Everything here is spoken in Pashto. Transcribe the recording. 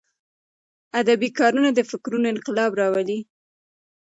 ادبي کارونه د فکرونو انقلاب راولي.